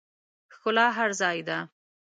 ښکلا هر ځای ده